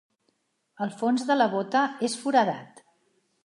El fons de la bota és foradat.